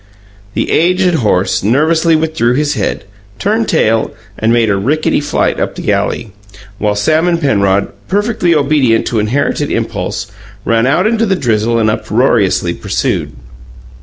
The aged horse nervously withdrew his head, turned tail, and made a rickety flight up the alley, while Sam and Penrod, perfectly obedient to inherited impulse, ran out into the drizzle and uproariously pursued.